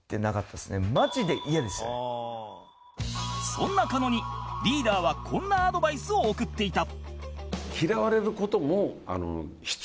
そんな狩野にリーダーはこんなアドバイスを送っていた